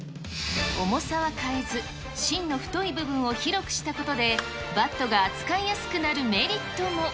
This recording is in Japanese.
重さは変えず、芯の太い部分を広くしたことで、バットが扱いやすくなるメリット